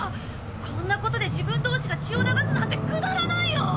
こんなことで自分同士が血を流すなんてくだらないよ！